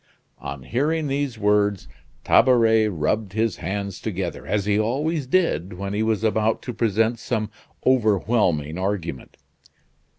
On hearing these words, Tabaret rubbed his hands together, as he always did when he was about to present some overwhelming argument.